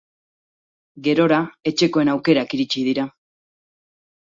Gerora, etxekoen aukerak iritsi dira.